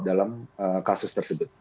dalam kasus tersebut